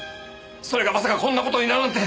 それがまさかこんな事になるなんて。